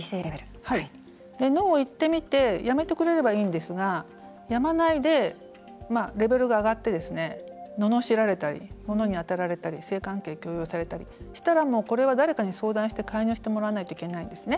ノーを言ってみてやめてくれればいいんですがやめないで、レベルが上がってののしられたり物に当たられたり性関係を強要されたりしたりこれは誰かに相談して介入してもらわないといけないですね。